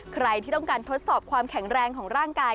ใครที่ต้องการทดสอบความแข็งแรงของร่างกาย